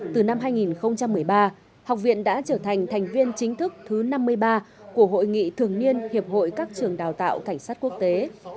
từ năm hai nghìn một mươi ba học viện đã trở thành thành viên chính thức thứ năm mươi ba của hội nghị thường niên hiệp hội các trường đào tạo cảnh sát quốc tế